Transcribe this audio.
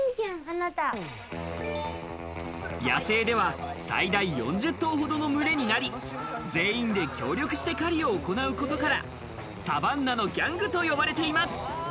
野生では最大４０頭ほどの群れになり全員で協力して狩りを行うことから、サバンナのギャングと呼ばれています。